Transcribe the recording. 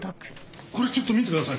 これちょっと見てください。